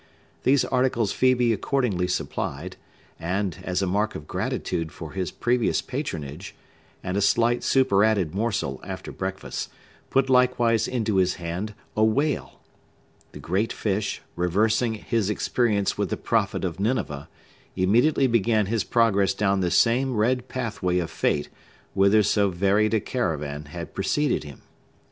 These articles Phœbe accordingly supplied, and, as a mark of gratitude for his previous patronage, and a slight super added morsel after breakfast, put likewise into his hand a whale! The great fish, reversing his experience with the prophet of Nineveh, immediately began his progress down the same red pathway of fate whither so varied a caravan had preceded him.